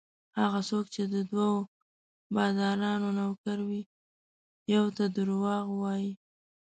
هغه څوک چې د دوو بادارانو نوکر وي یوه ته درواغ وايي.